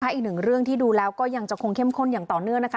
อีกหนึ่งเรื่องที่ดูแล้วก็ยังจะคงเข้มข้นอย่างต่อเนื่องนะคะ